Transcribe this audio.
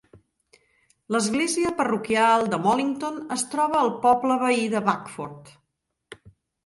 L'església parroquial de Mollington es troba al poble veí de Backford.